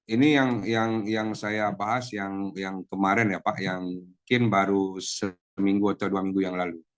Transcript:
ini yang saya bahas yang kemarin ya pak yang mungkin baru seminggu atau dua minggu yang lalu